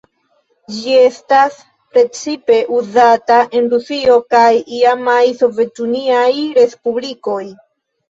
Ĝi estas precipe uzata en Rusio kaj iamaj Sovetuniaj Respublikoj.